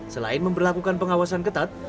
selain memperlakukan pengawasan ketat